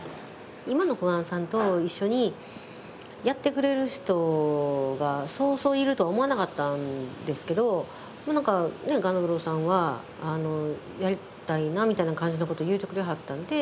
今の小雁さんと一緒にやってくれる人がそうそういるとは思わなかったんですけど雁三郎さんはやりたいなみたいな感じのことを言うてくれはったんで。